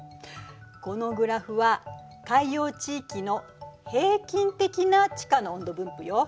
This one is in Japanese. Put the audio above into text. このグラフは海洋地域の平均的な地下の温度分布よ。